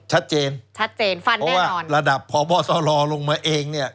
ชัดเจนฟันแน่นอนชัดเจนเพราะว่าระดับพบตรลงมาเอง